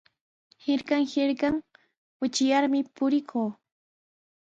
Hirkan hirkan wichyarmi purikuu.